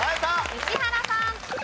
石原さん。